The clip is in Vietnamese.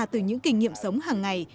từ những kinh nghiệm sống hàng ngày